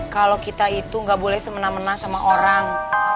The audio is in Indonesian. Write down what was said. kalau kita itu nggak boleh semena mena sama orang